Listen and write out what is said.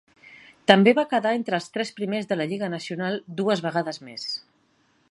També va quedar entre els tres primers de la Lliga Nacional dues vegades més.